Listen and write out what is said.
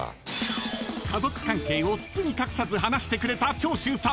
［家族関係を包み隠さず話してくれた長州さん］